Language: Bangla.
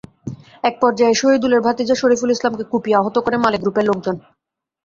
একপর্যায়ে শহিদুলের ভাতিজা শরিফুল ইসলামকে কুপিয়ে আহত করে মালেক গ্রুপের লোকজন।